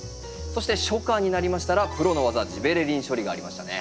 そして初夏になりましたらプロの技ジベレリン処理がありましたね。